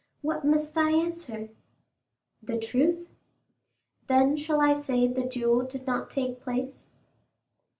What must I answer?" "The truth." "Then I shall say the duel did not take place?"